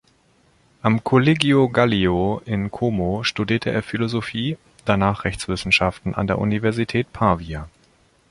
Am "Collegio Gallio" in Como studierte er Philosophie, danach Rechtswissenschaft an der Universität Pavia.